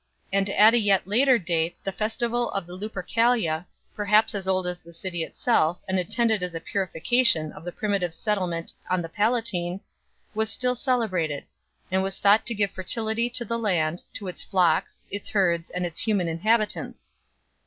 And at a yet later date the festival of the Lupercalia, perhaps as old as the city itself, and intended as a puri fication of the primitive settlement on the Palatine, was still celebrated, and was thought to give fertility to the land, to its flocks, its herds, and its human inhabitants.